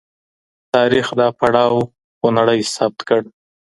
تاریخ دا پړاو خونړی ثبت کړ.